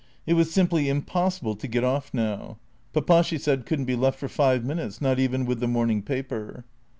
It was simply impossible to get off now. Papa, she said, could n't be left for five minutes, not even with the morning paper.